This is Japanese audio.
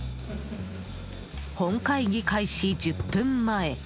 本会議開始１０分前。